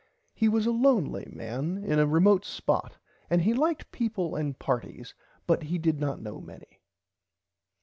He was a lonely man in a remote spot and he liked peaple and partys but he did not know many.